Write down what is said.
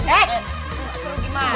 eh seru gimana